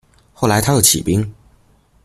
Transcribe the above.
后来他又起兵。